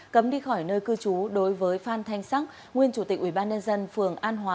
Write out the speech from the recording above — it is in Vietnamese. cấm đi khỏi nơi cư trú đối với phan thanh sắc nguyên chủ tịch ubnd phường an hòa